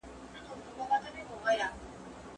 زه اوږده وخت ليکنې کوم،